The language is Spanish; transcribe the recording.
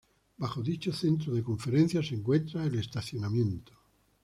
Bajo dicho centro de conferencias se encuentra el estacionamiento.